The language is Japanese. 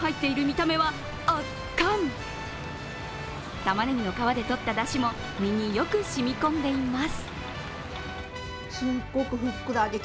たまねぎの皮でとっただしも身によく染み込んでいます。